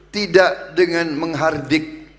tidak dengan menghardik